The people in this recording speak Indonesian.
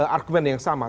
argumen yang sama